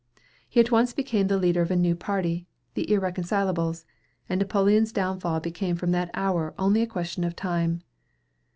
He at once became the leader of a new party, the "Irreconcilables," and Napoleon's downfall became from that hour only a question of time.